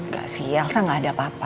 gak sih elsa gak ada apa apa